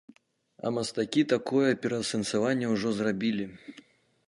А мастакі такое пераасэнсаванне ўжо зрабілі.